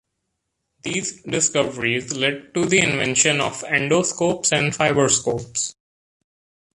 These discoveries led to the invention of endoscopes and fiberscopes.